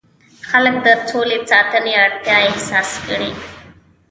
خلک د سولې ساتنې اړتیا احساس کړي.